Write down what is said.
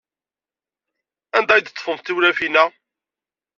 Anda ay d-teḍḍfemt tiwlafin-a?